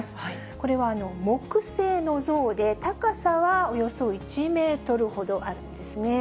これは木製の像で、高さはおよそ１メートルほどあるんですね。